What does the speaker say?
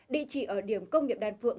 địa chỉ ở điểm công nghiệp đan phượng